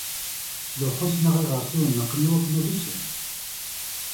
Lewḥuc, neɣ iɣeṛsiwen, neqqen i wakken ad ččen.